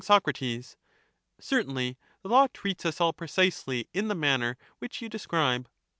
Y. Soc, Certainly ; the law treats us all precisely in the manner which you describe.